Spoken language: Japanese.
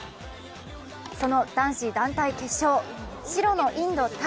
その男子団体決勝白のインド×